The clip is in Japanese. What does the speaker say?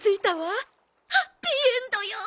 ハッピーエンドよ！